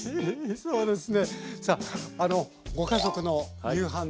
そうですね。